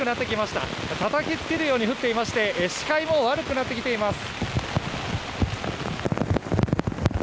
たたきつけるように降っていまして視界も悪くなってきています。